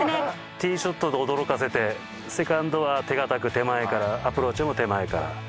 ティショットで驚かせてセカンドは手堅く手前からアプローチも手前から。